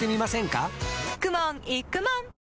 かくもんいくもん